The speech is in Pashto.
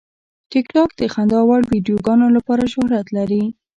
ټیکټاک د خندا وړ ویډیوګانو لپاره شهرت لري.